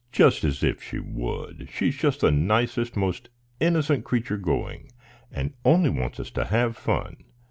"Just as if she would. She's just the nicest, most innocent creature going, and only wants us to have fun.